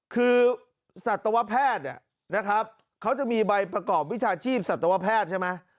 คือสัตวแพทย์เนี่ยนะครับเขาจะมีใบประกอบวิชาชีพสัตวแพทย์ใช่ไหม